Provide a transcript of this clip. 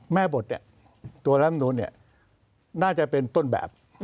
แม่บทตัวรัฐมนุนน่าจะเป็นต้นแบบ